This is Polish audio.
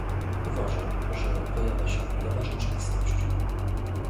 Uważam, że pojawia się nowa rzeczywistość